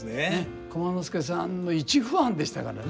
駒之助さんの一ファンでしたからね。